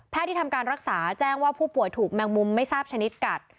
ที่ทำการรักษาแจ้งว่าผู้ป่วยถูกแมงมุมไม่ทราบชนิดกัด